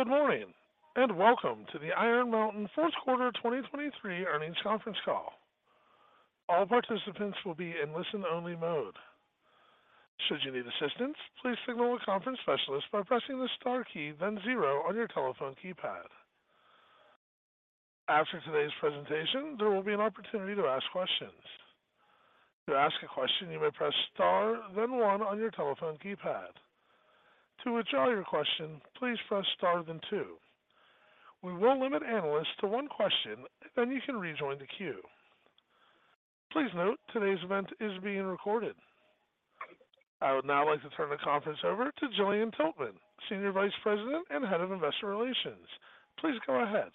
Good morning and welcome to the Iron Mountain Fourth Quarter 2023 earnings conference call. All participants will be in listen-only mode. Should you need assistance, please signal a conference specialist by pressing the star key, then zero on your telephone keypad. After today's presentation, there will be an opportunity to ask questions. To ask a question, you may press star, then one on your telephone keypad. To withdraw your question, please press star, then two. We will limit analysts to one question, then you can rejoin the queue. Please note, today's event is being recorded. I would now like to turn the conference over to Gillian Tiltman, Senior Vice President and Head of Investor Relations. Please go ahead.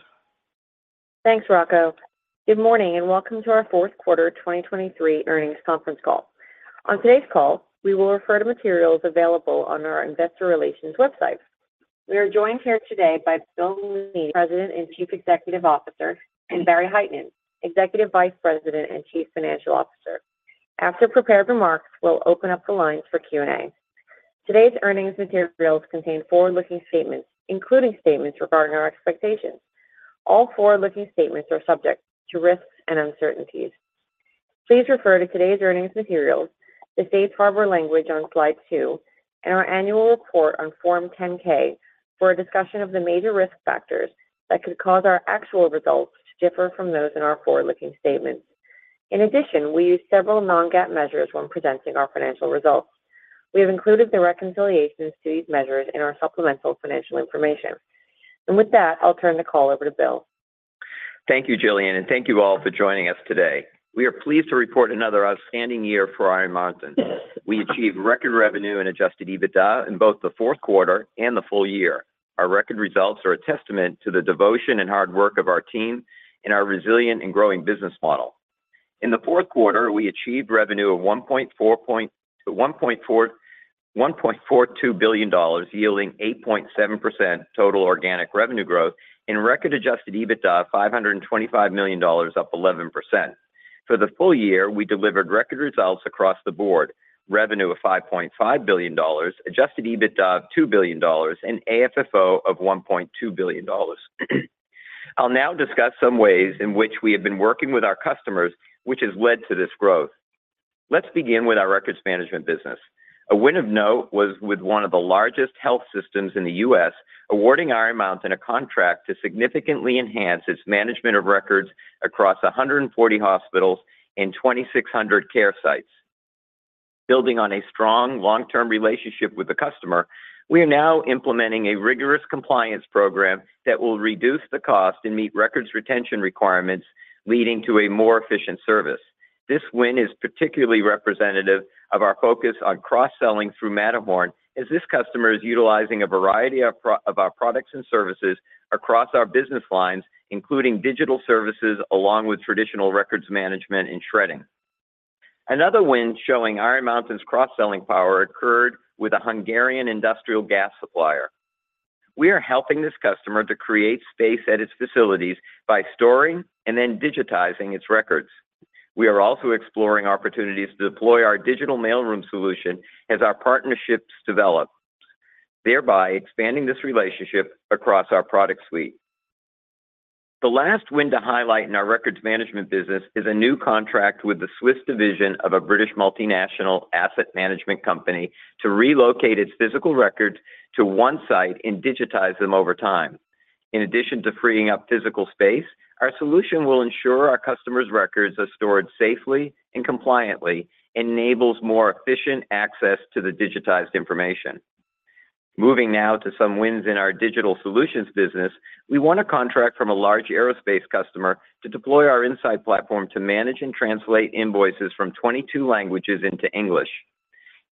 Thanks, Rocco. Good morning and welcome to our Fourth Quarter 2023 earnings conference call. On today's call, we will refer to materials available on our Investor Relations website. We are joined here today by Bill Meaney, President and Chief Executive Officer, and Barry Hytinen, Executive Vice President and Chief Financial Officer. After prepared remarks, we'll open up the lines for Q&A. Today's earnings materials contain forward-looking statements, including statements regarding our expectations. All forward-looking statements are subject to risks and uncertainties. Please refer to today's earnings materials, the safe harbor language on slide 2, and our annual report on Form 10-K for a discussion of the major risk factors that could cause our actual results to differ from those in our forward-looking statements. In addition, we use several non-GAAP measures when presenting our financial results. We have included the reconciliations to these measures in our supplemental financial information. With that, I'll turn the call over to Bill. Thank you, Gillian, and thank you all for joining us today. We are pleased to report another outstanding year for Iron Mountain. We achieved record revenue and Adjusted EBITDA in both the fourth quarter and the full year. Our record results are a testament to the devotion and hard work of our team and our resilient and growing business model. In the fourth quarter, we achieved revenue of $1.42 billion, yielding 8.7% total organic revenue growth, and record-Adjusted EBITDA of $525 million, up 11%. For the full year, we delivered record results across the board: revenue of $5.5 billion, Adjusted EBITDA of $2 billion, and AFFO of $1.2 billion. I'll now discuss some ways in which we have been working with our customers, which has led to this growth. Let's begin with our records management business. A win of note was with one of the largest health systems in the U.S. awarding Iron Mountain a contract to significantly enhance its management of records across 140 hospitals and 2,600 care sites. Building on a strong long-term relationship with the customer, we are now implementing a rigorous compliance program that will reduce the cost and meet records retention requirements, leading to a more efficient service. This win is particularly representative of our focus on cross-selling through Matterhorn, as this customer is utilizing a variety of our products and services across our business lines, including digital services along with traditional records management and shredding. Another win showing Iron Mountain's cross-selling power occurred with a Hungarian industrial gas supplier. We are helping this customer to create space at its facilities by storing and then digitizing its records. We are also exploring opportunities to deploy our Digital Mailroom solution as our partnerships develop, thereby expanding this relationship across our product suite. The last win to highlight in our records management business is a new contract with the Swiss division of a British multinational asset management company to relocate its physical records to one site and digitize them over time. In addition to freeing up physical space, our solution will ensure our customers' records are stored safely and compliantly and enables more efficient access to the digitized information. Moving now to some wins in our Digital Solutions business, we won a contract from a large aerospace customer to deploy our InSight platform to manage and translate invoices from 22 languages into English.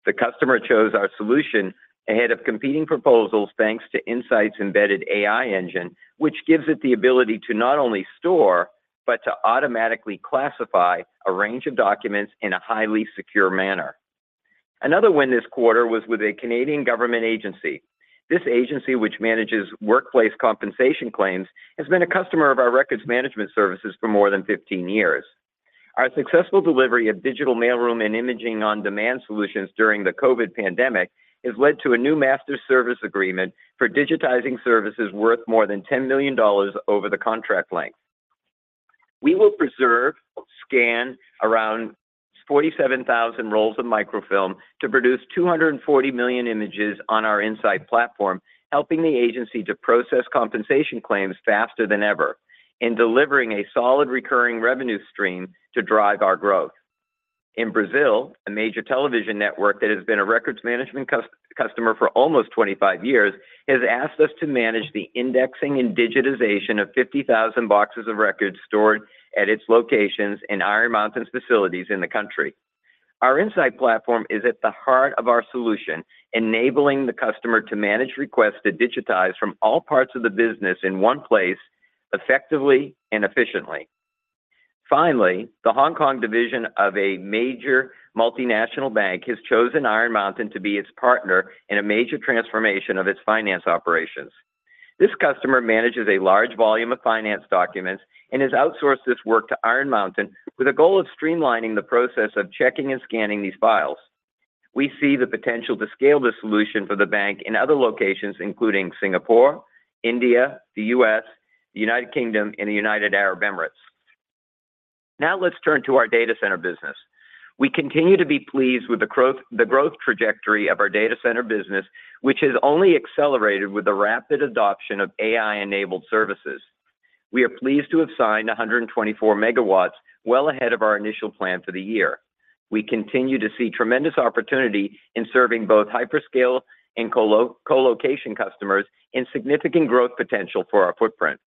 The customer chose our solution ahead of competing proposals thanks to InSight's embedded AI engine, which gives it the ability to not only store but to automatically classify a range of documents in a highly secure manner. Another win this quarter was with a Canadian government agency. This agency, which manages workplace compensation claims, has been a customer of our records management services for more than 15 years. Our successful delivery of Digital Mailroom and imaging-on-demand solutions during the COVID pandemic has led to a new master service agreement for digitizing services worth more than $10 million over the contract length. We will preserve, scan around 47,000 rolls of microfilm to produce 240 million images on our InSight platform, helping the agency to process compensation claims faster than ever and delivering a solid recurring revenue stream to drive our growth. In Brazil, a major television network that has been a records management customer for almost 25 years has asked us to manage the indexing and digitization of 50,000 boxes of records stored at its locations in Iron Mountain's facilities in the country. Our InSight platform is at the heart of our solution, enabling the customer to manage requests to digitize from all parts of the business in one place, effectively and efficiently. Finally, the Hong Kong division of a major multinational bank has chosen Iron Mountain to be its partner in a major transformation of its finance operations. This customer manages a large volume of finance documents and has outsourced this work to Iron Mountain with a goal of streamlining the process of checking and scanning these files. We see the potential to scale this solution for the bank in other locations, including Singapore, India, the U.S., the United Kingdom, and the United Arab Emirates. Now let's turn to our data center business. We continue to be pleased with the growth trajectory of our data center business, which has only accelerated with the rapid adoption of AI-enabled services. We are pleased to have signed 124 MW well ahead of our initial plan for the year. We continue to see tremendous opportunity in serving both hyperscale and colocation customers and significant growth potential for our footprint.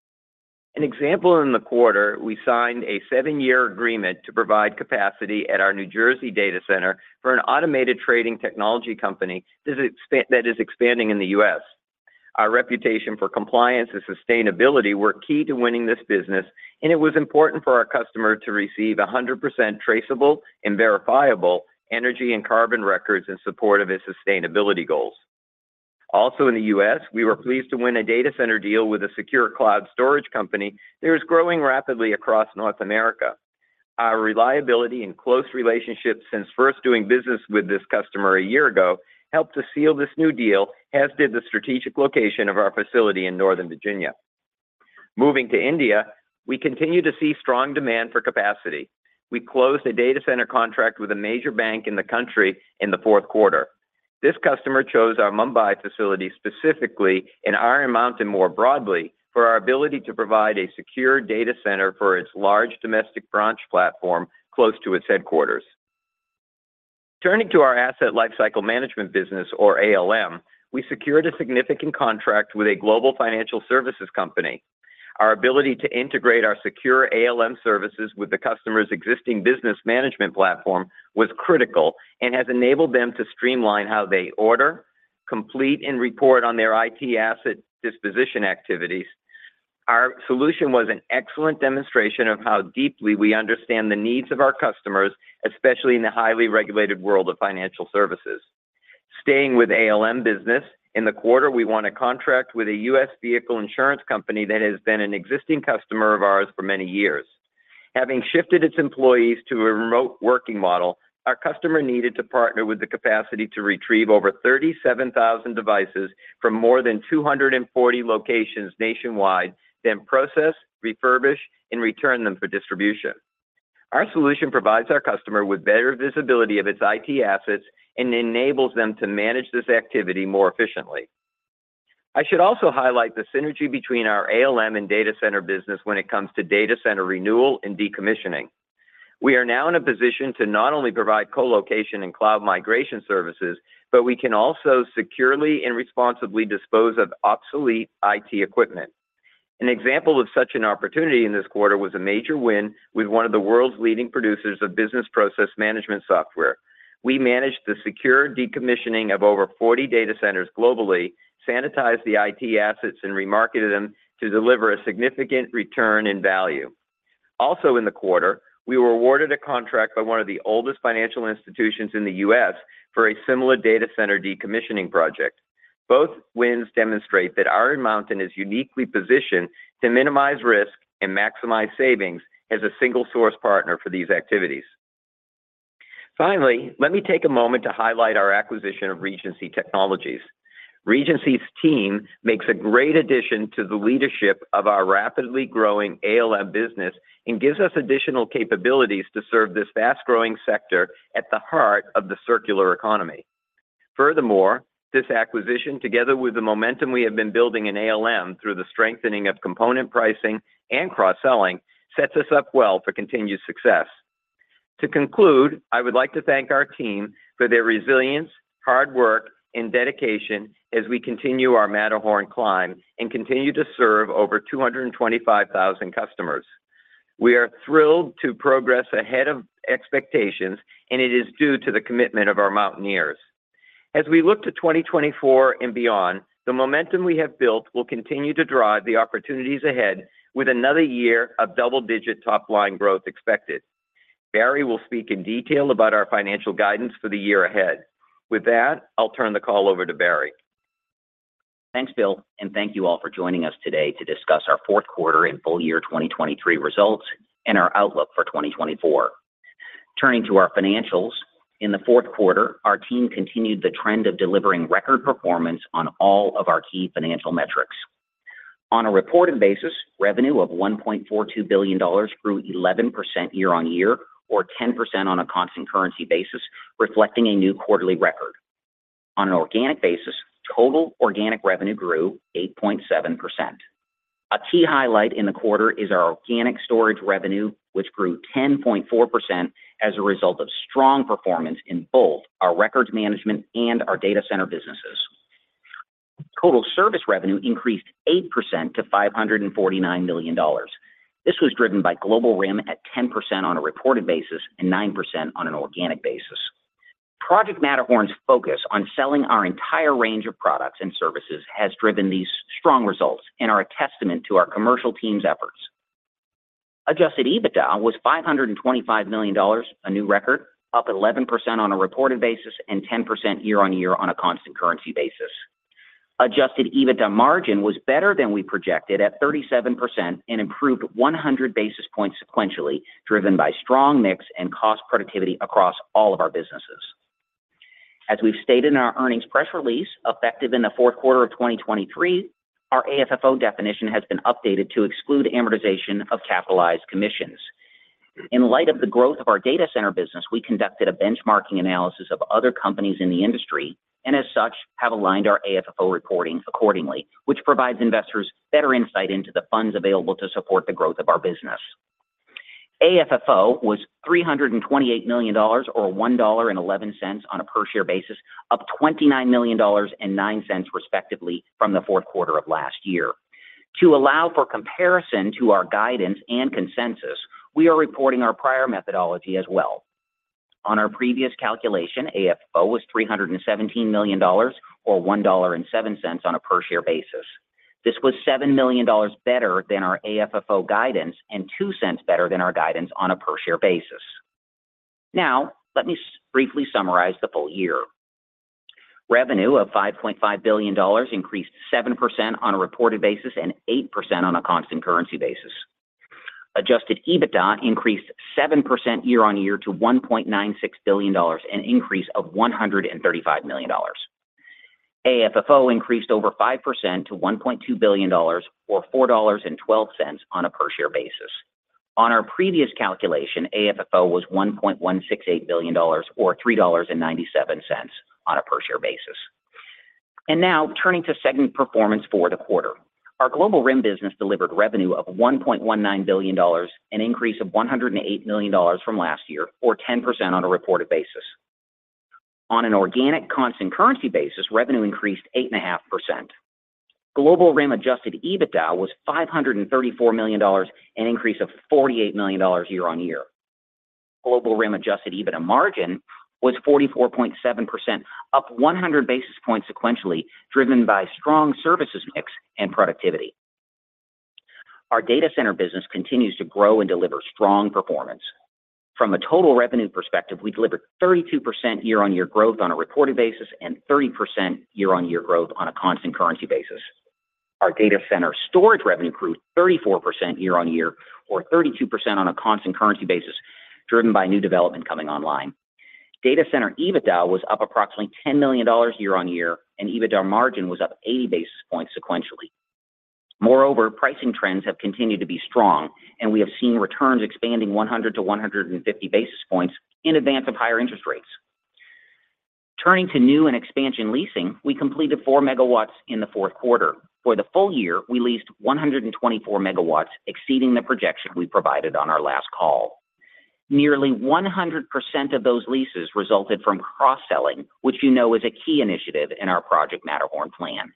An example in the quarter, we signed a seven-year agreement to provide capacity at our New Jersey data center for an automated trading technology company that is expanding in the U.S. Our reputation for compliance and sustainability were key to winning this business, and it was important for our customer to receive 100% traceable and verifiable energy and carbon records in support of its sustainability goals. Also in the U.S., we were pleased to win a data center deal with a secure cloud storage company that is growing rapidly across North America. Our reliability and close relationship since first doing business with this customer a year ago helped to seal this new deal, as did the strategic location of our facility in Northern Virginia. Moving to India, we continue to see strong demand for capacity. We closed a data center contract with a major bank in the country in the fourth quarter. This customer chose our Mumbai facility specifically and Iron Mountain more broadly for our ability to provide a secure data center for its large domestic branch platform close to its headquarters. Turning to our Asset Lifecycle Management business, or ALM, we secured a significant contract with a global financial services company. Our ability to integrate our secure ALM services with the customer's existing business management platform was critical and has enabled them to streamline how they order, complete, and report on their IT asset disposition activities. Our solution was an excellent demonstration of how deeply we understand the needs of our customers, especially in the highly regulated world of financial services. Staying with ALM business, in the quarter we won a contract with a U.S. vehicle insurance company that has been an existing customer of ours for many years. Having shifted its employees to a remote working model, our customer needed to partner with the capacity to retrieve over 37,000 devices from more than 240 locations nationwide, then process, refurbish, and return them for distribution. Our solution provides our customer with better visibility of its IT assets and enables them to manage this activity more efficiently. I should also highlight the synergy between our ALM and data center business when it comes to data center renewal and decommissioning. We are now in a position to not only provide colocation and cloud migration services, but we can also securely and responsibly dispose of obsolete IT equipment. An example of such an opportunity in this quarter was a major win with one of the world's leading producers of business process management software. We managed the secure decommissioning of over 40 data centers globally, sanitized the IT assets, and remarketed them to deliver a significant return in value. Also in the quarter, we were awarded a contract by one of the oldest financial institutions in the U.S. for a similar data center decommissioning project. Both wins demonstrate that Iron Mountain is uniquely positioned to minimize risk and maximize savings as a single-source partner for these activities. Finally, let me take a moment to highlight our acquisition of Regency Technologies. Regency's team makes a great addition to the leadership of our rapidly growing ALM business and gives us additional capabilities to serve this fast-growing sector at the heart of the circular economy. Furthermore, this acquisition, together with the momentum we have been building in ALM through the strengthening of component pricing and cross-selling, sets us up well for continued success. To conclude, I would like to thank our team for their resilience, hard work, and dedication as we continue our Matterhorn climb and continue to serve over 225,000 customers. We are thrilled to progress ahead of expectations, and it is due to the commitment of our mountaineers. As we look to 2024 and beyond, the momentum we have built will continue to drive the opportunities ahead with another year of double-digit top-line growth expected. Barry will speak in detail about our financial guidance for the year ahead. With that, I'll turn the call over to Barry. Thanks, Bill, and thank you all for joining us today to discuss our fourth quarter and full year 2023 results and our outlook for 2024. Turning to our financials, in the fourth quarter, our team continued the trend of delivering record performance on all of our key financial metrics. On a reported basis, revenue of $1.42 billion grew 11% year-on-year, or 10% on a constant currency basis, reflecting a new quarterly record. On an organic basis, total organic revenue grew 8.7%. A key highlight in the quarter is our organic storage revenue, which grew 10.4% as a result of strong performance in both our records management and our data center businesses. Total service revenue increased 8% to $549 million. This was driven by Global RIM at 10% on a reported basis and 9% on an organic basis. Project Matterhorn's focus on selling our entire range of products and services has driven these strong results and are a testament to our commercial team's efforts. Adjusted EBITDA was $525 million, a new record, up 11% on a reported basis and 10% year-on-year on a constant currency basis. Adjusted EBITDA margin was better than we projected at 37% and improved 100 basis points sequentially, driven by strong mix and cost productivity across all of our businesses. As we've stated in our earnings press release effective in the fourth quarter of 2023, our AFFO definition has been updated to exclude amortization of capitalized commissions. In light of the growth of our data center business, we conducted a benchmarking analysis of other companies in the industry and, as such, have aligned our AFFO reporting accordingly, which provides investors better insight into the funds available to support the growth of our business. AFFO was $328 million, or $1.11 on a per-share basis, up $29.09 respectively from the fourth quarter of last year. To allow for comparison to our guidance and consensus, we are reporting our prior methodology as well. On our previous calculation, AFFO was $317 million, or $1.07 on a per-share basis. This was $7 million better than our AFFO guidance and $0.02 better than our guidance on a per-share basis. Now let me briefly summarize the full year. Revenue of $5.5 billion increased 7% on a reported basis and 8% on a constant currency basis. Adjusted EBITDA increased 7% year-over-year to $1.96 billion, an increase of $135 million. AFFO increased over 5% to $1.2 billion, or $4.12 on a per-share basis. On our previous calculation, AFFO was $1.168 billion, or $3.97 on a per-share basis. Now turning to segment performance for the quarter, our Global RIM business delivered revenue of $1.19 billion, an increase of $108 million from last year, or 10% on a reported basis. On an organic constant currency basis, revenue increased 8.5%. Global RIM adjusted EBITDA was $534 million, an increase of $48 million year-over-year. Global RIM adjusted EBITDA margin was 44.7%, up 100 basis points sequentially, driven by strong services mix and productivity. Our data center business continues to grow and deliver strong performance. From a total revenue perspective, we delivered 32% year-over-year growth on a reported basis and 30% year-on-year growth on a constant currency basis. Our data center storage revenue grew 34% year-on-year, or 32% on a constant currency basis, driven by new development coming online. Data center EBITDA was up approximately $10 million year-on-year, and EBITDA margin was up 80 basis points sequentially. Moreover, pricing trends have continued to be strong, and we have seen returns expanding 100 to 150 basis points in advance of higher interest rates. Turning to new and expansion leasing, we completed 4 MW in the fourth quarter. For the full year, we leased 124 MW, exceeding the projection we provided on our last call. Nearly 100% of those leases resulted from cross-selling, which you know is a key initiative in our Project Matterhorn plan.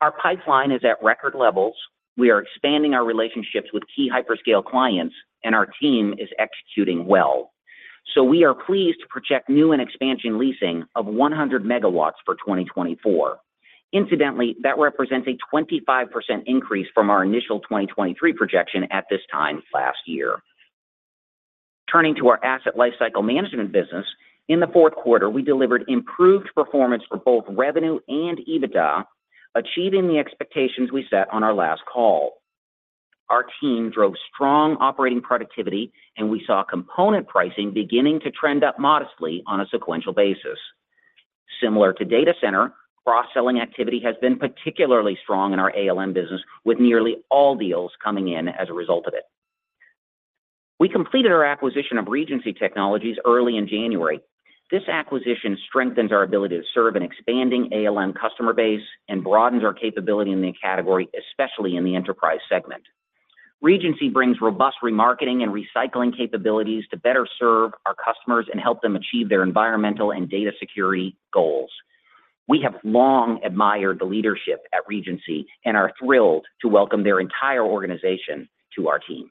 Our pipeline is at record levels. We are expanding our relationships with key hyperscale clients, and our team is executing well. So we are pleased to project new and expansion leasing of 100 MW for 2024. Incidentally, that represents a 25% increase from our initial 2023 projection at this time last year. Turning to our Asset Lifecycle Management business, in the fourth quarter, we delivered improved performance for both revenue and EBITDA, achieving the expectations we set on our last call. Our team drove strong operating productivity, and we saw component pricing beginning to trend up modestly on a sequential basis. Similar to data center, cross-selling activity has been particularly strong in our ALM business, with nearly all deals coming in as a result of it. We completed our acquisition of Regency Technologies early in January. This acquisition strengthens our ability to serve an expanding ALM customer base and broadens our capability in the category, especially in the enterprise segment. Regency brings robust remarketing and recycling capabilities to better serve our customers and help them achieve their environmental and data security goals. We have long admired the leadership at Regency and are thrilled to welcome their entire organization to our team.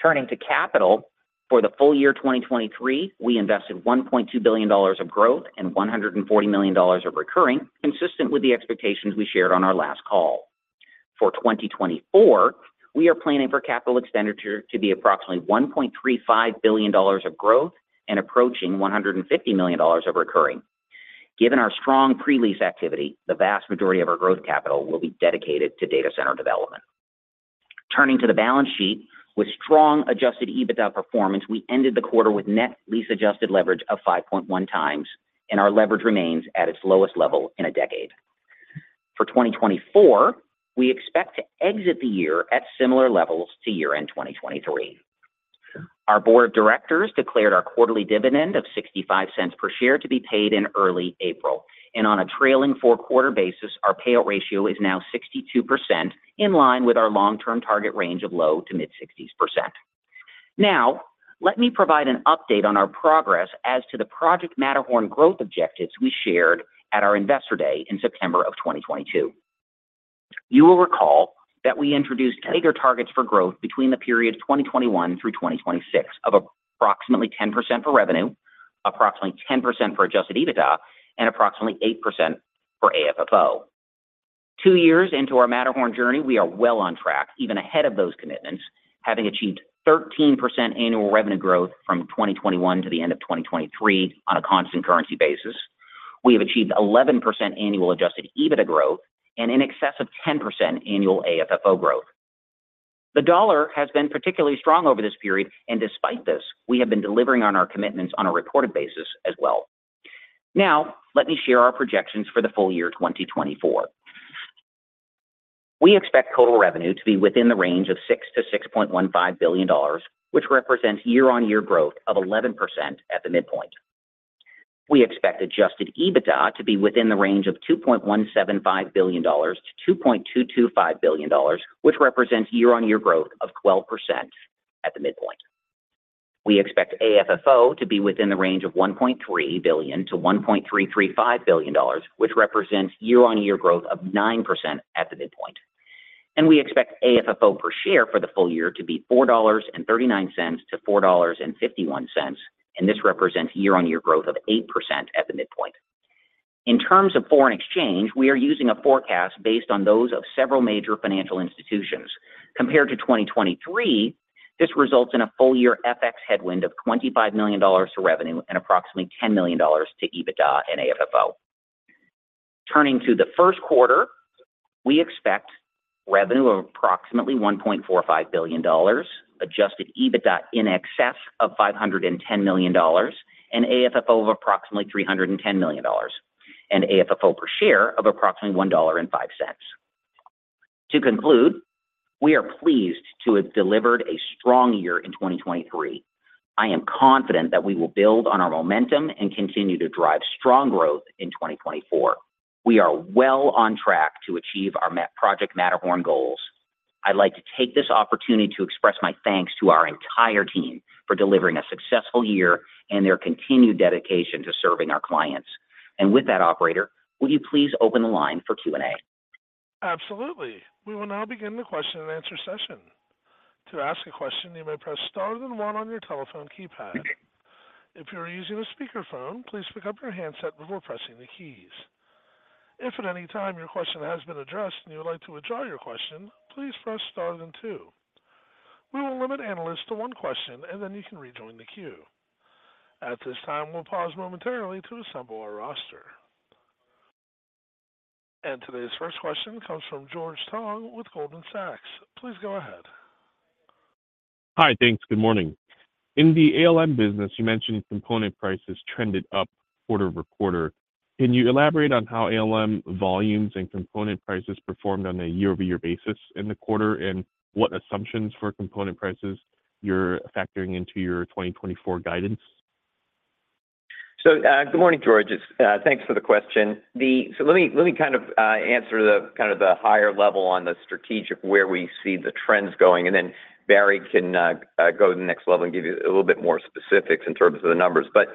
Turning to capital, for the full year 2023, we invested $1.2 billion of growth and $140 million of recurring, consistent with the expectations we shared on our last call. For 2024, we are planning for capital expenditure to be approximately $1.35 billion of growth and approaching $150 million of recurring. Given our strong pre-lease activity, the vast majority of our growth capital will be dedicated to data center development. Turning to the balance sheet, with strong Adjusted EBITDA performance, we ended the quarter with net lease-adjusted leverage of 5.1x, and our leverage remains at its lowest level in a decade. For 2024, we expect to exit the year at similar levels to year-end 2023. Our board of directors declared our quarterly dividend of $0.65 per share to be paid in early April, and on a trailing four-quarter basis, our payout ratio is now 62%, in line with our long-term target range of low- to mid-60s%. Now let me provide an update on our progress as to the Project Matterhorn growth objectives we shared at our investor day in September of 2022. You will recall that we introduced TAGR targets for growth between the period 2021 through 2026 of approximately 10% for revenue, approximately 10% for Adjusted EBITDA, and approximately 8% for AFFO. Two years into our Matterhorn journey, we are well on track, even ahead of those commitments, having achieved 13% annual revenue growth from 2021 to the end of 2023 on a constant currency basis. We have achieved 11% annual Adjusted EBITDA growth and in excess of 10% annual AFFO growth. The dollar has been particularly strong over this period, and despite this, we have been delivering on our commitments on a reported basis as well. Now let me share our projections for the full year 2024. We expect total revenue to be within the range of $6-$6.15 billion, which represents year-over-year growth of 11% at the midpoint. We expect Adjusted EBITDA to be within the range of $2.175-$2.225 billion, which represents year-over-year growth of 12% at the midpoint. We expect AFFO to be within the range of $1.3 billion-$1.335 billion, which represents year-on-year growth of 9% at the midpoint. We expect AFFO per share for the full year to be $4.39-$4.51, and this represents year-on-year growth of 8% at the midpoint. In terms of foreign exchange, we are using a forecast based on those of several major financial institutions. Compared to 2023, this results in a full-year FX headwind of $25 million to revenue and approximately $10 million to EBITDA and AFFO. Turning to the first quarter, we expect revenue of approximately $1.45 billion, adjusted EBITDA in excess of $510 million, and AFFO of approximately $310 million, and AFFO per share of approximately $1.05. To conclude, we are pleased to have delivered a strong year in 2023. I am confident that we will build on our momentum and continue to drive strong growth in 2024. We are well on track to achieve our Project Matterhorn goals. I'd like to take this opportunity to express my thanks to our entire team for delivering a successful year and their continued dedication to serving our clients. And with that, operator, will you please open the line for Q&A? Absolutely. We will now begin the question and answer session. To ask a question, you may press star, then one on your telephone keypad. If you are using a speakerphone, please pick up your handset before pressing the keys. If at any time your question has been addressed and you would like to withdraw your question, please press star, then two. We will limit analysts to one question, and then you can rejoin the queue. At this time, we'll pause momentarily to assemble our roster. And today's first question comes from George Tong with Goldman Sachs. Please go ahead. Hi, thanks. Good morning. In the ALM business, you mentioned component prices trended up quarter-over-quarter. Can you elaborate on how ALM volumes and component prices performed on a year-over-year basis in the quarter, and what assumptions for component prices you're factoring into your 2024 guidance? So good morning, George. Thanks for the question. So let me kind of answer the kind of the higher level on the strategic where we see the trends going, and then Barry can go to the next level and give you a little bit more specifics in terms of the numbers. But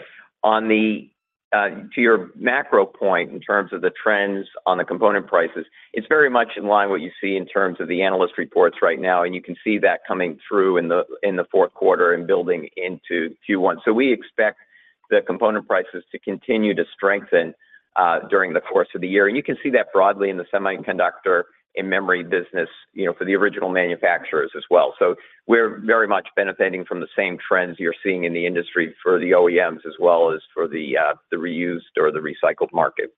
to your macro point in terms of the trends on the component prices, it's very much in line with what you see in terms of the analyst reports right now, and you can see that coming through in the fourth quarter and building into Q1. So we expect the component prices to continue to strengthen during the course of the year, and you can see that broadly in the semiconductor and memory business for the original manufacturers as well. So we're very much benefiting from the same trends you're seeing in the industry for the OEMs as well as for the reused or the recycled market.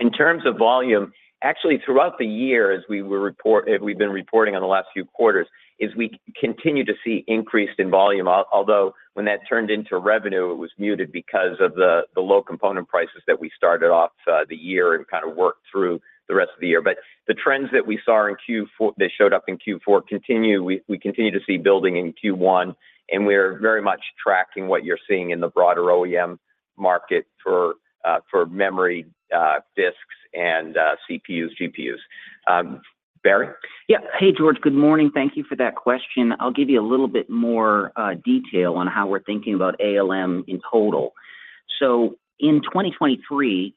In terms of volume, actually throughout the year, as we've been reporting on the last few quarters, is we continue to see increased in volume, although when that turned into revenue, it was muted because of the low component prices that we started off the year and kind of worked through the rest of the year. But the trends that we saw in Q4 that showed up in Q4 continue. We continue to see building in Q1, and we're very much tracking what you're seeing in the broader OEM market for memory disks and CPUs, GPUs. Barry? Yeah. Hey, George. Good morning. Thank you for that question. I'll give you a little bit more detail on how we're thinking about ALM in total. So in 2023,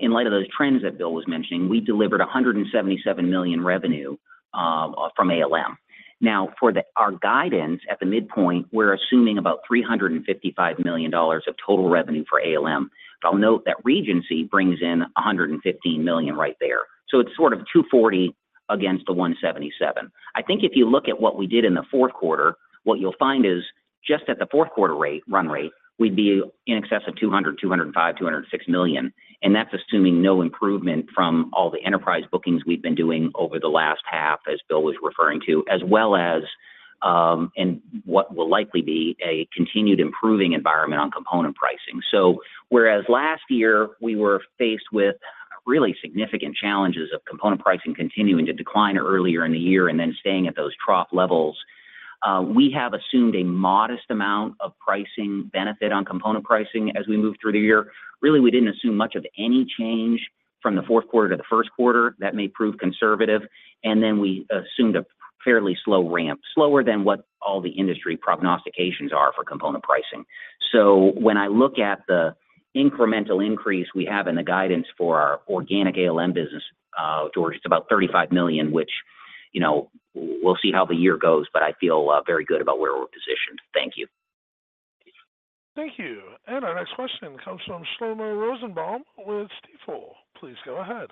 in light of those trends that Bill was mentioning, we delivered $177 million revenue from ALM. Now for our guidance at the midpoint, we're assuming about $355 million of total revenue for ALM. I'll note that Regency brings in $115 million right there. So it's sort of 240 against the 177. I think if you look at what we did in the fourth quarter, what you'll find is just at the fourth quarter run rate, we'd be in excess of 200, 205, 206 million, and that's assuming no improvement from all the enterprise bookings we've been doing over the last half, as Bill was referring to, as well as what will likely be a continued improving environment on component pricing. So whereas last year we were faced with really significant challenges of component pricing continuing to decline earlier in the year and then staying at those trough levels, we have assumed a modest amount of pricing benefit on component pricing as we move through the year. Really, we didn't assume much of any change from the fourth quarter to the first quarter. That may prove conservative. And then we assumed a fairly slow ramp, slower than what all the industry prognostications are for component pricing. So when I look at the incremental increase we have in the guidance for our organic ALM business, George, it's about $35 million, which we'll see how the year goes, but I feel very good about where we're positioned. Thank you. Thank you. Our next question comes from Shlomo Rosenbaum with Stifel. Please go ahead.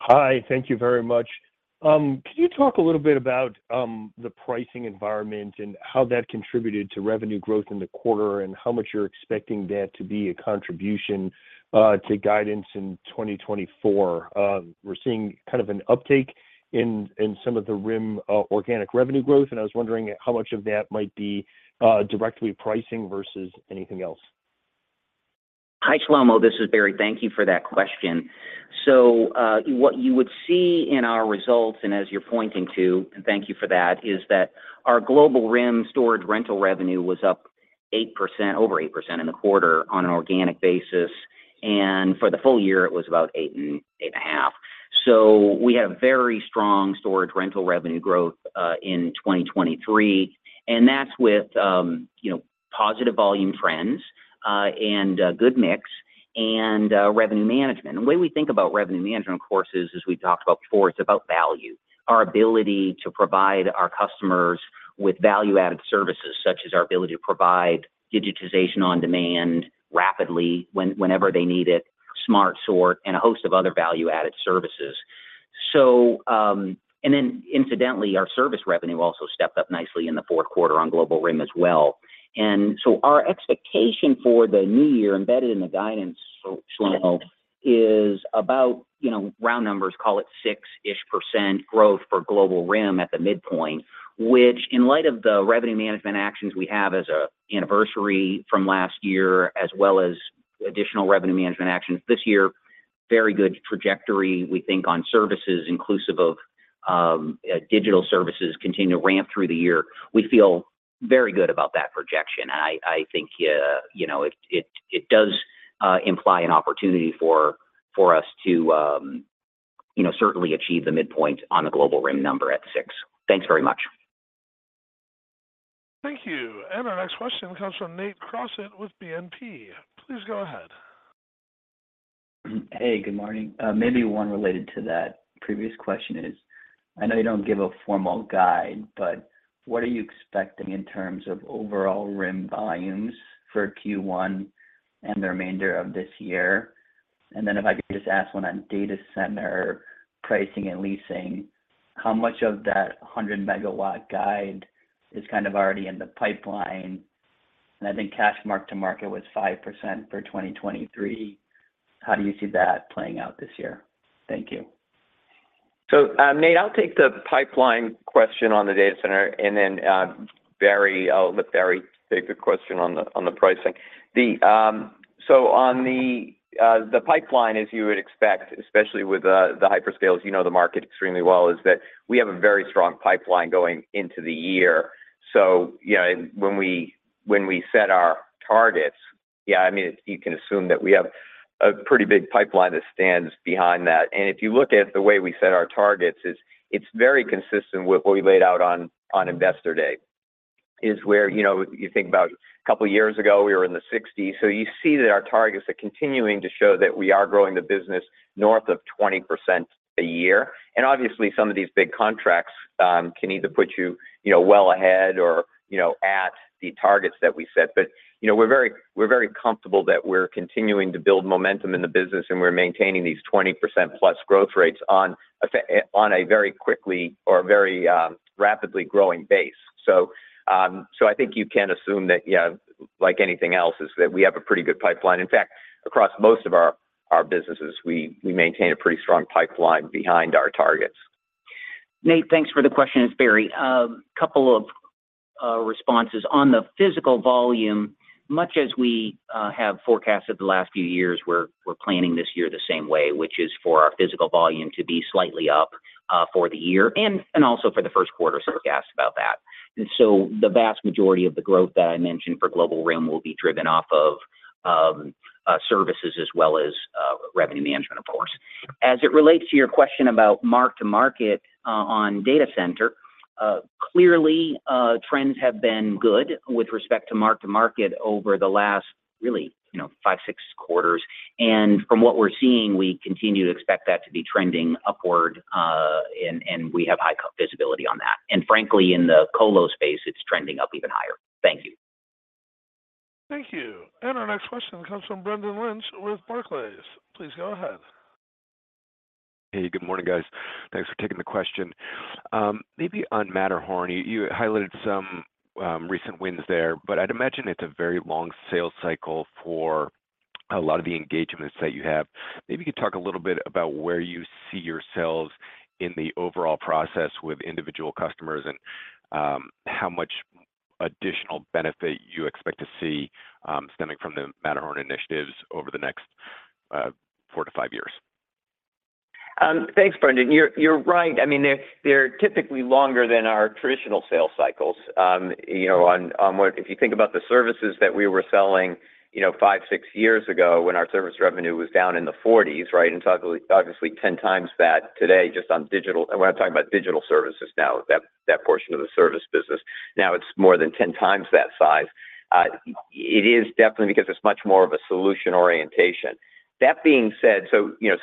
Hi. Thank you very much. Could you talk a little bit about the pricing environment and how that contributed to revenue growth in the quarter and how much you're expecting that to be a contribution to guidance in 2024? We're seeing kind of an uptake in some of the RIM organic revenue growth, and I was wondering how much of that might be directly pricing versus anything else. Hi, Shlomo. This is Barry. Thank you for that question. So what you would see in our results, and as you're pointing to, and thank you for that, is that our Global RIM storage rental revenue was up 8%, over 8% in the quarter on an organic basis, and for the full year, it was about 8 and 8.5%. So we had a very strong storage rental revenue growth in 2023, and that's with positive volume trends and a good mix and revenue management. And the way we think about revenue management, of course, is as we've talked about before, it's about value, our ability to provide our customers with value-added services such as our ability to provide digitization on demand rapidly whenever they need it, Smart Sort, and a host of other value-added services. Then, incidentally, our service revenue also stepped up nicely in the fourth quarter on Global RIM as well. So our expectation for the new year embedded in the guidance, Shlomo, is about round numbers, call it 6-ish% growth for Global RIM at the midpoint, which in light of the revenue management actions we have as an anniversary from last year as well as additional revenue management actions this year, very good trajectory, we think, on services inclusive of digital services continue to ramp through the year. We feel very good about that projection, and I think it does imply an opportunity for us to certainly achieve the midpoint on the Global RIM number at 6%. Thanks very much. Thank you. Our next question comes from Nate Crossett with BNP. Please go ahead. Hey. Good morning. Maybe one related to that previous question is I know you don't give a formal guide, but what are you expecting in terms of overall RIM volumes for Q1 and the remainder of this year? And then if I could just ask one on data center pricing and leasing, how much of that 100-MW guide is kind of already in the pipeline? And I think cash mark-to-market was 5% for 2023. How do you see that playing out this year? Thank you. So, Nate, I'll take the pipeline question on the data center, and then Barry, I'll let Barry take the question on the pricing. So, on the pipeline, as you would expect, especially with the hyperscales, you know the market extremely well, is that we have a very strong pipeline going into the year. So, when we set our targets, yeah, I mean, you can assume that we have a pretty big pipeline that stands behind that. And if you look at the way we set our targets, it's very consistent with what we laid out on investor day, is where you think about a couple of years ago, we were in the 60s. So, you see that our targets are continuing to show that we are growing the business north of 20% a year. And obviously, some of these big contracts can either put you well ahead or at the targets that we set, but we're very comfortable that we're continuing to build momentum in the business, and we're maintaining these 20%-plus growth rates on a very quickly or very rapidly growing base. So I think you can assume that, like anything else, is that we have a pretty good pipeline. In fact, across most of our businesses, we maintain a pretty strong pipeline behind our targets. Nate, thanks for the question. It's Barry. A couple of responses. On the physical volume, much as we have forecasted the last few years, we're planning this year the same way, which is for our physical volume to be slightly up for the year and also for the first quarter, as we asked about that. And so the vast majority of the growth that I mentioned for Global RIM will be driven off of services as well as revenue management, of course. As it relates to your question about mark-to-market on data center, clearly, trends have been good with respect to mark-to-market over the last really five, six quarters. And from what we're seeing, we continue to expect that to be trending upward, and we have high visibility on that. And frankly, in the colo space, it's trending up even higher. Thank you. Thank you. And our next question comes from Brendan Lynch with Barclays. Please go ahead. Hey. Good morning, guys. Thanks for taking the question. Maybe on Matterhorn, you highlighted some recent wins there, but I'd imagine it's a very long sales cycle for a lot of the engagements that you have. Maybe you could talk a little bit about where you see yourselves in the overall process with individual customers and how much additional benefit you expect to see stemming from the Matterhorn initiatives over the next four to five years. Thanks, Brendan. You're right. I mean, they're typically longer than our traditional sales cycles. If you think about the services that we were selling five, six years ago when our service revenue was down in the 40s, right, and obviously 10 times that today just on digital and when I'm talking about digital services now, that portion of the service business, now it's more than 10 times that size. It is definitely because it's much more of a solution orientation. That being said,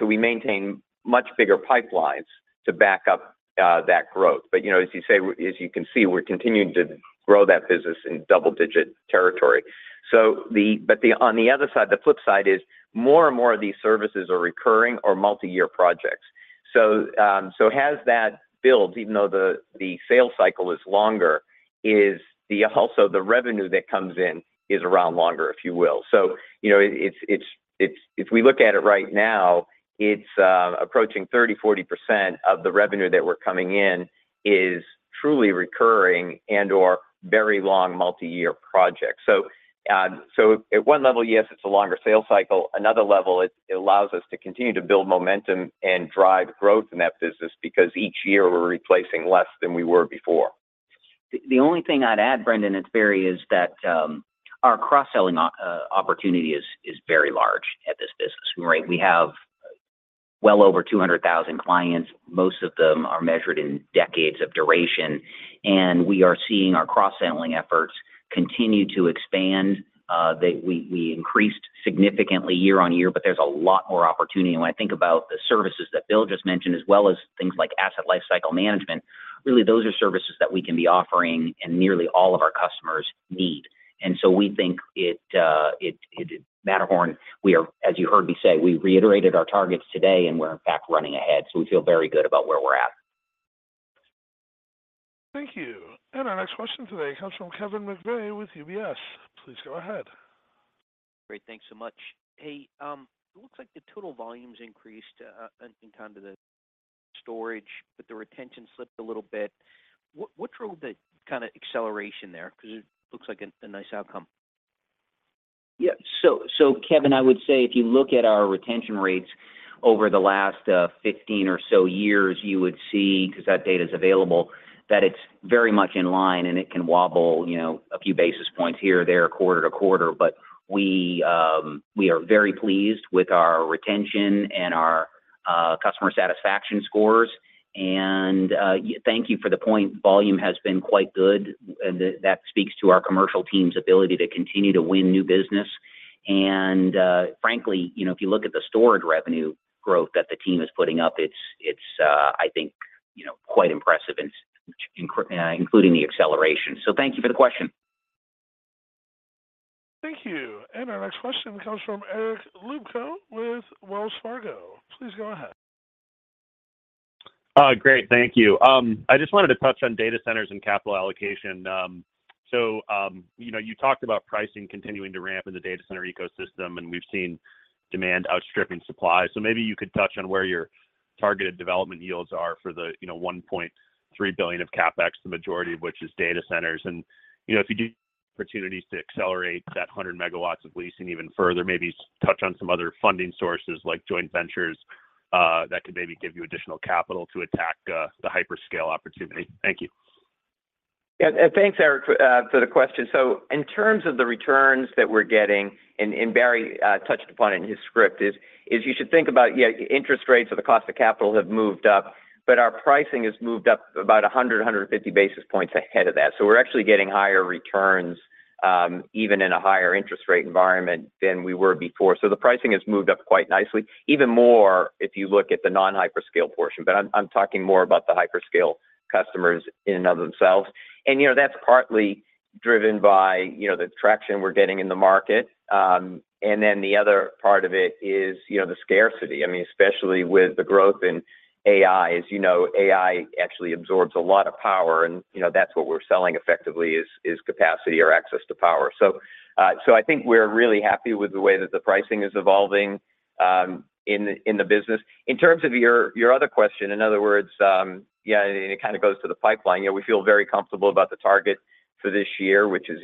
we maintain much bigger pipelines to back up that growth. But as you can see, we're continuing to grow that business in double-digit territory. But on the other side, the flip side is more and more of these services are recurring or multi-year projects. So as that builds, even though the sales cycle is longer, also the revenue that comes in is around longer, if you will. So if we look at it right now, it's approaching 30%-40% of the revenue that we're coming in is truly recurring and/or very long multi-year projects. So at one level, yes, it's a longer sales cycle. Another level, it allows us to continue to build momentum and drive growth in that business because each year we're replacing less than we were before. The only thing I'd add, Brendan, it's Barry, is that our cross-selling opportunity is very large at this business, right? We have well over 200,000 clients. Most of them are measured in decades of duration, and we are seeing our cross-selling efforts continue to expand. We increased significantly year on year, but there's a lot more opportunity. And when I think about the services that Bill just mentioned as well as things like asset lifecycle management, really, those are services that we can be offering and nearly all of our customers need. And so we think at Matterhorn, as you heard me say, we reiterated our targets today, and we're, in fact, running ahead. So we feel very good about where we're at. Thank you. Our next question today comes from Kevin McVeigh with UBS. Please go ahead. Great. Thanks so much. Hey, it looks like the total volumes increased in kind of the storage, but the retention slipped a little bit. What drove the kind of acceleration there? Because it looks like a nice outcome. Yeah. So Kevin, I would say if you look at our retention rates over the last 15 or so years, you would see because that data is available that it's very much in line, and it can wobble a few basis points here or there quarter to quarter. But we are very pleased with our retention and our customer satisfaction scores. Thank you for the point. Volume has been quite good, and that speaks to our commercial team's ability to continue to win new business. Frankly, if you look at the storage revenue growth that the team is putting up, it's, I think, quite impressive, including the acceleration. So thank you for the question. Thank you. Our next question comes from Eric Luebchow with Wells Fargo. Please go ahead. Great. Thank you. I just wanted to touch on data centers and capital allocation. So you talked about pricing continuing to ramp in the data center ecosystem, and we've seen demand outstripping supply. So maybe you could touch on where your targeted development yields are for the $1.3 billion of CapEx, the majority of which is data centers. And if you do get opportunities to accelerate that 100 MW of leasing even further, maybe touch on some other funding sources like joint ventures that could maybe give you additional capital to attack the hyperscale opportunity. Thank you. Yeah. Thanks, Eric, for the question. So in terms of the returns that we're getting, and Barry touched upon it in his script, is you should think about interest rates or the cost of capital have moved up, but our pricing has moved up about 100-150 basis points ahead of that. So we're actually getting higher returns even in a higher interest rate environment than we were before. So the pricing has moved up quite nicely, even more if you look at the non-hyperscale portion. But I'm talking more about the hyperscale customers in and of themselves. And that's partly driven by the traction we're getting in the market. And then the other part of it is the scarcity. I mean, especially with the growth in AI, as you know, AI actually absorbs a lot of power, and that's what we're selling effectively is capacity or access to power. So I think we're really happy with the way that the pricing is evolving in the business. In terms of your other question, in other words, yeah, and it kind of goes to the pipeline, we feel very comfortable about the target for this year, which is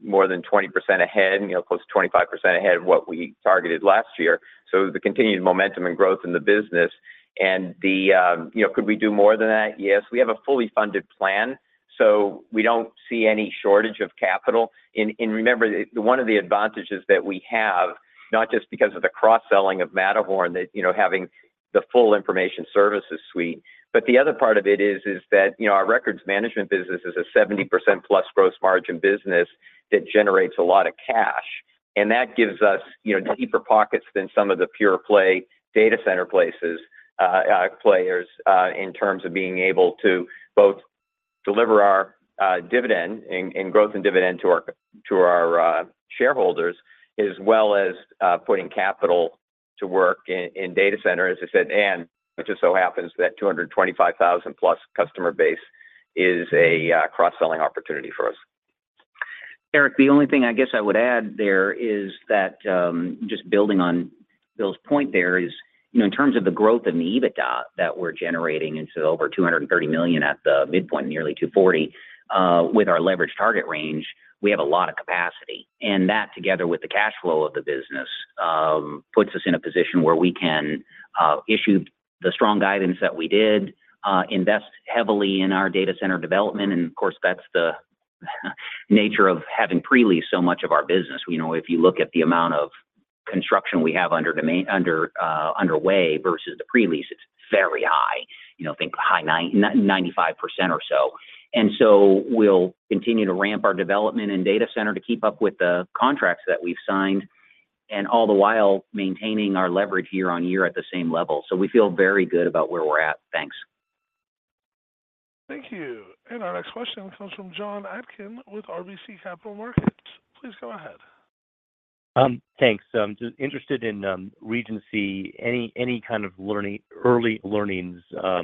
more than 20% ahead, close to 25% ahead of what we targeted last year. So the continued momentum and growth in the business. And could we do more than that? Yes. We have a fully funded plan, so we don't see any shortage of capital. And remember, one of the advantages that we have, not just because of the cross-selling of Matterhorn, having the full information services suite, but the other part of it is that our records management business is a 70%+ gross margin business that generates a lot of cash. That gives us deeper pockets than some of the pure-play data center players in terms of being able to both deliver our dividend and growth and dividend to our shareholders as well as putting capital to work in data center, as I said. It just so happens that 225,000+ customer base is a cross-selling opportunity for us. Eric, the only thing I guess I would add there is that just building on Bill's point there is in terms of the growth in the EBITDA that we're generating, and so over $230 million at the midpoint, nearly $240 million with our leveraged target range, we have a lot of capacity. That, together with the cash flow of the business, puts us in a position where we can issue the strong guidance that we did, invest heavily in our data center development. And of course, that's the nature of having pre-leased so much of our business. If you look at the amount of construction we have underway versus the pre-lease, it's very high, think high 95% or so. And so we'll continue to ramp our development and data center to keep up with the contracts that we've signed and all the while maintaining our leverage year-over-year at the same level. So we feel very good about where we're at. Thanks. Thank you. Our next question comes from Jon Atkin with RBC Capital Markets. Please go ahead. Thanks. I'm just interested in Regency, any kind of early learnings now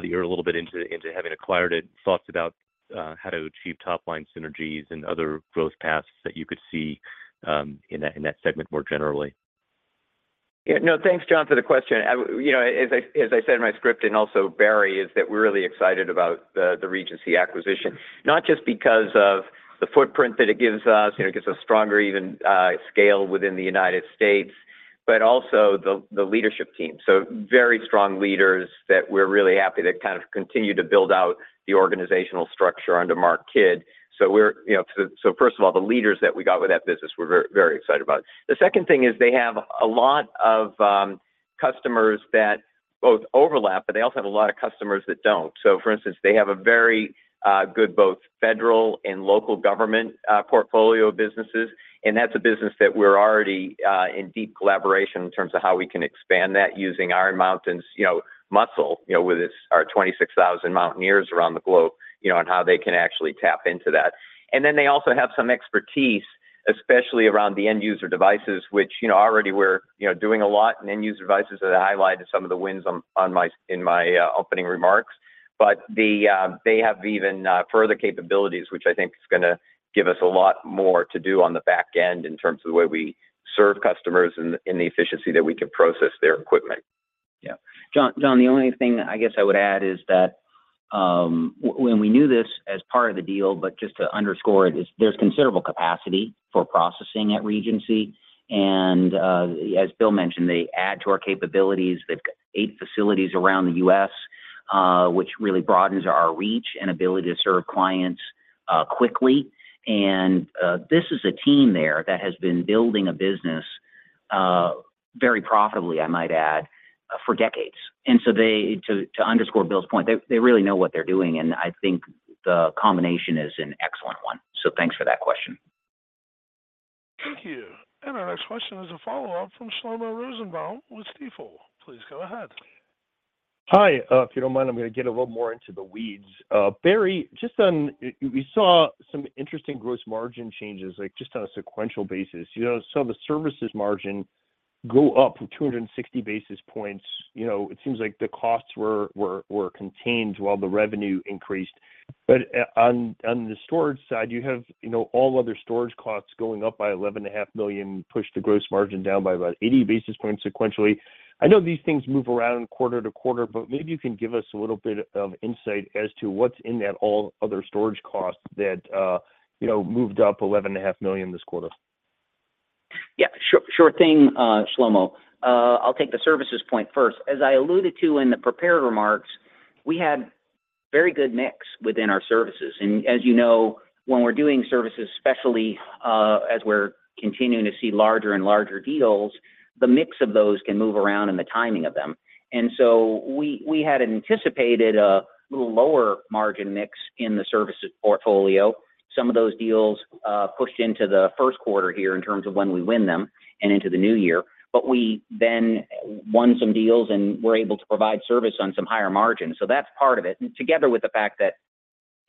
that you're a little bit into having acquired it, thoughts about how to achieve top-line synergies and other growth paths that you could see in that segment more generally? Yeah. No, thanks, John, for the question. As I said in my script and also Barry, is that we're really excited about the Regency acquisition, not just because of the footprint that it gives us, it gives us stronger even scale within the United States, but also the leadership team. So very strong leaders that we're really happy that kind of continue to build out the organizational structure under Mark Kidd. So first of all, the leaders that we got with that business, we're very excited about. The second thing is they have a lot of customers that both overlap, but they also have a lot of customers that don't. So for instance, they have a very good both federal and local government portfolio of businesses. That's a business that we're already in deep collaboration in terms of how we can expand that using Iron Mountain's muscle with our 26,000 mountaineers around the globe on how they can actually tap into that. And then they also have some expertise, especially around the end-user devices, which already we're doing a lot. End-user devices are the highlight of some of the wins in my opening remarks. But they have even further capabilities, which I think is going to give us a lot more to do on the back end in terms of the way we serve customers and the efficiency that we can process their equipment. Yeah. John, the only thing I guess I would add is that when we knew this as part of the deal, but just to underscore it, is there's considerable capacity for processing at Regency. And as Bill mentioned, they add to our capabilities. They've got eight facilities around the U.S., which really broadens our reach and ability to serve clients quickly. And this is a team there that has been building a business very profitably, I might add, for decades. And so to underscore Bill's point, they really know what they're doing, and I think the combination is an excellent one. So thanks for that question. Thank you. Our next question is a follow-up from Shlomo Rosenbaum with Stifel. Please go ahead. Hi. If you don't mind, I'm going to get a little more into the weeds. Barry, just on we saw some interesting gross margin changes just on a sequential basis. You saw the services margin go up 260 basis points. It seems like the costs were contained while the revenue increased. But on the storage side, you have all other storage costs going up by $11.5 million, pushed the gross margin down by about 80 basis points sequentially. I know these things move around quarter to quarter, but maybe you can give us a little bit of insight as to what's in that all other storage costs that moved up $11.5 million this quarter. Yeah. Sure thing, Shlomo. I'll take the services point first. As I alluded to in the prepared remarks, we had a very good mix within our services. And as you know, when we're doing services, especially as we're continuing to see larger and larger deals, the mix of those can move around and the timing of them. And so we had anticipated a little lower margin mix in the services portfolio. Some of those deals pushed into the first quarter here in terms of when we win them and into the new year. But we then won some deals, and we're able to provide service on some higher margins. So that's part of it. And together with the fact that,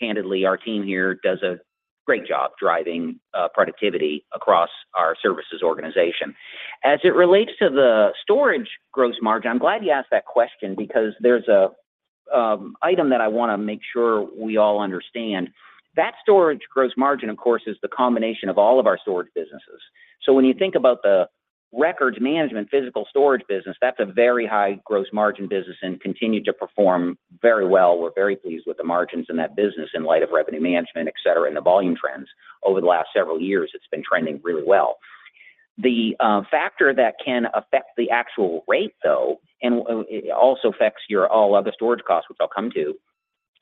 candidly, our team here does a great job driving productivity across our services organization. As it relates to the storage gross margin, I'm glad you asked that question because there's an item that I want to make sure we all understand. That storage gross margin, of course, is the combination of all of our storage businesses. So when you think about the records management, physical storage business, that's a very high gross margin business and continued to perform very well. We're very pleased with the margins in that business in light of revenue management, etc., and the volume trends. Over the last several years, it's been trending really well. The factor that can affect the actual rate, though, and also affects your all-other storage costs, which I'll come to,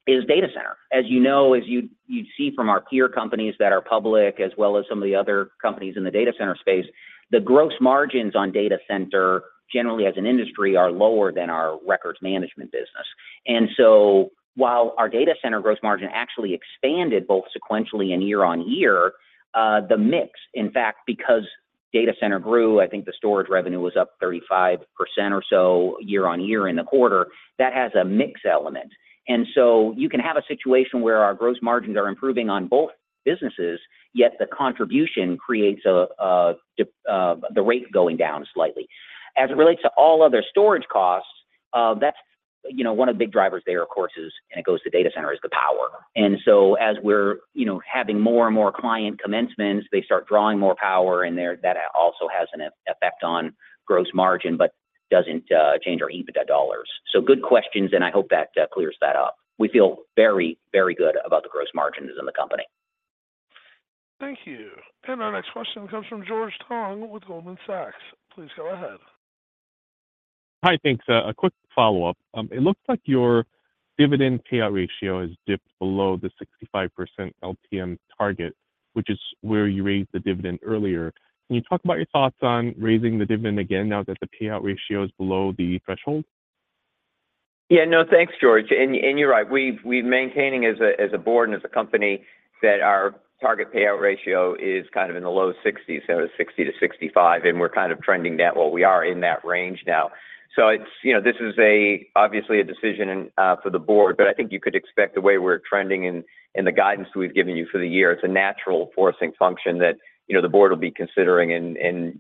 is data center. As you know, as you'd see from our peer companies that are public as well as some of the other companies in the data center space, the gross margins on data center, generally as an industry, are lower than our records management business. So while our data center gross margin actually expanded both sequentially and year-on-year, the mix, in fact, because data center grew, I think the storage revenue was up 35% or so year-on-year in the quarter, that has a mix element. So you can have a situation where our gross margins are improving on both businesses, yet the contribution creates the rate going down slightly. As it relates to all other storage costs, that's one of the big drivers there, of course, and it goes to data center, is the power. And so as we're having more and more client commencements, they start drawing more power, and that also has an effect on gross margin but doesn't change our EBITDA dollars. So good questions, and I hope that clears that up. We feel very, very good about the gross margins in the company. Thank you. Our next question comes from George Tong with Goldman Sachs. Please go ahead. Hi. Thanks. A quick follow-up. It looks like your dividend payout ratio has dipped below the 65% LTM target, which is where you raised the dividend earlier. Can you talk about your thoughts on raising the dividend again now that the payout ratio is below the threshold? Yeah. No, thanks, George. And you're right. We've maintained as a board and as a company that our target payout ratio is kind of in the low 60s, so 60%-65%, and we're kind of trending that while we are in that range now. So this is obviously a decision for the board, but I think you could expect the way we're trending and the guidance we've given you for the year, it's a natural forcing function that the board will be considering. And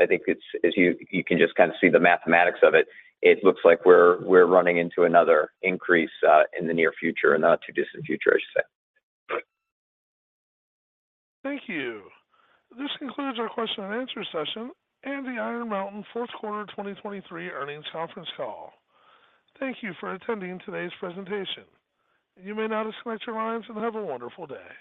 I think, as you can just kind of see the mathematics of it, it looks like we're running into another increase in the near future, in the not-too-distant future, I should say. Thank you. This concludes our question and answer session and the Iron Mountain fourth quarter 2023 earnings conference call. Thank you for attending today's presentation. You may now disconnect your lines and have a wonderful day.